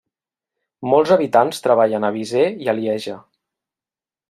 Molts habitants treballen a Visé i a Lieja.